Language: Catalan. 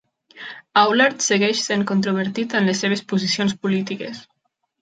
Aulard segueix sent controvertit en les seves posicions polítiques.